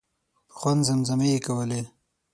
په خوند زمزمې یې کولې.